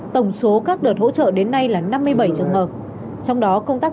tổng số các đợt hỗ trợ đến nay là năm mươi bảy trường hợp